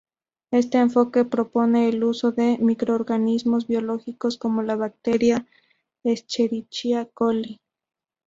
Este enfoque propone el uso de microorganismos biológicos, como la bacteria "Escherichia coli".